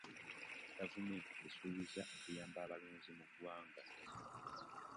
Gavumenti esuubiza okuyamba abalunzi mu ggwanga.